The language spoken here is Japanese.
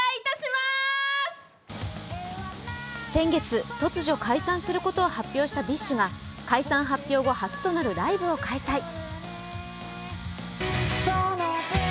先月突如解散することを発表したＢｉＳＨが解散発表後初となるライブを開催。